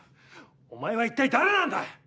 お前は一体誰なんだ！